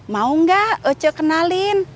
mau gak aku kenalin